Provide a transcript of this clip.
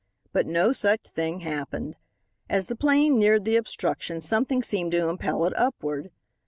But no such thing happened. As the 'plane neared the obstruction something seemed to impel it upward.